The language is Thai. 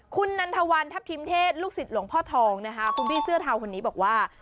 คุณนันทวันทัพทิมเทศลูกศิษย์หลวงพ่อทองนะคะคุณพี่เสื้อเทาคนนี้บอกว่า